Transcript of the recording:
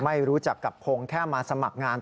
ไม่รู้จักกับพงศ์แค่มาสมัครงาน